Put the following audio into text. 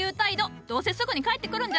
どうせすぐに帰ってくるんじゃろ。